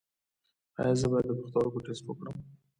ایا زه باید د پښتورګو ټسټ وکړم؟